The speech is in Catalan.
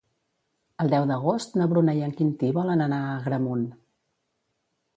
El deu d'agost na Bruna i en Quintí volen anar a Agramunt.